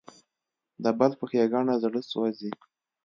د بل په ښېګڼه زړه سوځي.